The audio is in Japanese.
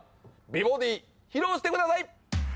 美ボディ披露してください！